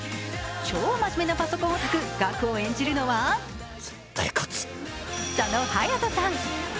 超真面目なパソコンオタク・ガクを演じるのは佐野勇斗さん。